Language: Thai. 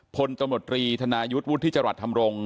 พลฑัฬรีธนายุทธิจรรย์ทำรง